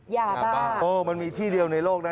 ยาบ้าโอ้มันมีที่เดียวในโลกนะ